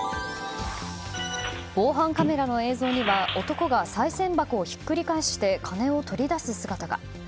防犯カメラの映像には男がさい銭箱をひっくり返して金を取り出す姿が。